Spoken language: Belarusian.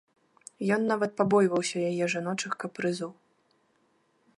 Ён нават пабойваўся яе жаночых капрызаў.